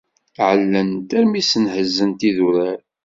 Ɛellant armi i ssenhezzent idurar.